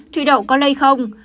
thủy đậu có lây không